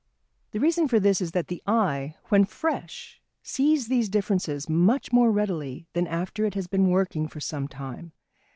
The reason for this is that the eye, when fresh, sees these differences much more readily than after it has been working for some time.